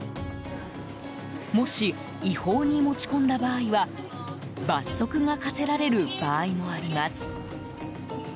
もし、違法に持ち込んだ場合は罰則が科せられる場合もあります。